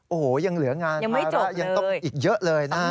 โอ้โหยังเหลืองานภาระยังต้องอีกเยอะเลยนะฮะ